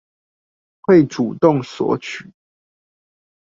會主動索取